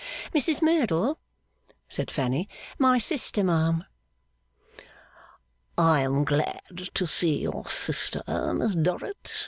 'Mrs Merdle,' said Fanny. 'My sister, ma'am.' 'I am glad to see your sister, Miss Dorrit.